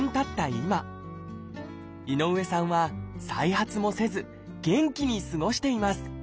今井上さんは再発もせず元気に過ごしています。